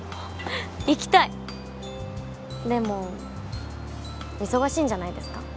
行きたいでも忙しいんじゃないですか？